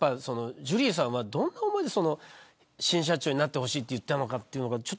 ジュリーさんはどんな思いで新社長になってほしいと言ったのか。